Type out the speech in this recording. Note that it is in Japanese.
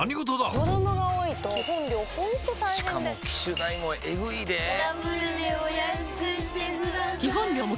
子供が多いと基本料ほんと大変でしかも機種代もエグいでぇダブルでお安くしてください